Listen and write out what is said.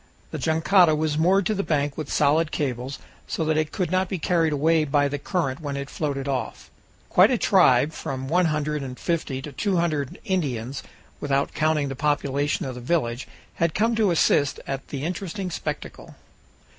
The jangada was moored to the bank with solid cables, so that it could not be carried away by the current when it floated off. Quite a tribe from one hundred and fifty to two hundred Indians, without counting the population of the village, had come to assist at the interesting spectacle.